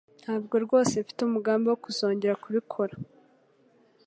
Ntabwo rwose mfite umugambi wo kuzongera kubikora.